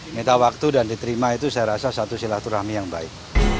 minta waktu dan diterima itu saya rasa satu silaturahmi yang baik